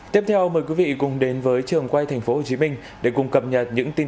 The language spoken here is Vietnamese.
tiếp theo mời quý vị cùng đến với trường quay thành phố hồ chí minh để cùng cập nhật những tin